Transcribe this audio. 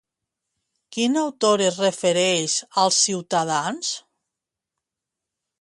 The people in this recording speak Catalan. Quin autor es refereix als ciutadans?